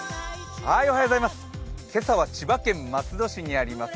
今朝は千葉県松戸市にあります